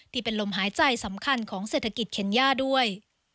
ที่เป็นลมหายใจสำคัญของเศรษฐกิจเคนย่าด้วย